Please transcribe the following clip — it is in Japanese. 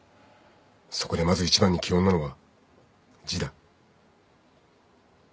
そこでまず一番に基本なのは字だ。